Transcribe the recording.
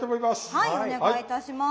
はいお願いいたします。